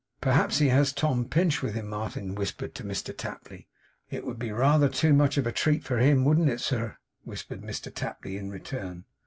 'Perhaps he has Tom Pinch with him,' Martin whispered Mr Tapley. 'It would be rather too much of a treat for him, wouldn't it, sir?' whispered Mr Tapley in return.